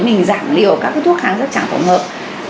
mình giảm liều các cái thuốc kháng giáp chặn tổng hợp